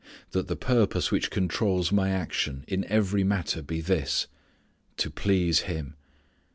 That the purpose which controls my action in every matter be this: to please Him.